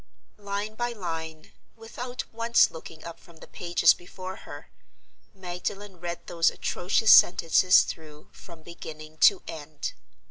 Line by line—without once looking up from the pages before her —Magdalen read those atrocious sentences through, from beginning to end.